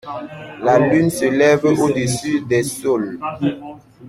La lune se lève au-dessus des saules.